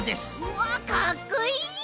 わかっこいい！